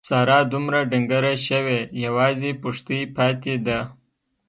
ساره دومره ډنګره شوې یوازې پښتۍ پاتې ده.